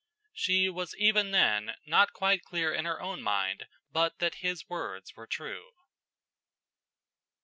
'" She was even then not quite clear in her own mind but that his words were true.